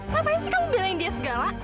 ngapain sih kamu belain dia segala